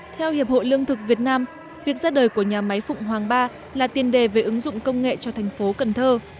theo hiệp hội lương thực việt nam việc ra đời của nhà máy phụng hoàng ba là tiền đề về ứng dụng công nghệ cho thành phố cần thơ